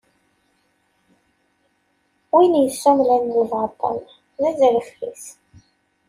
Win yessummlen lbaṭel, d azref-is.